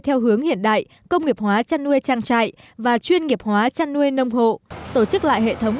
theo hướng hiện đại công nghiệp hóa chăn nuôi trang trại và chuyên nghiệp hóa chăn nuôi nông hộ tổ chức lại hệ thống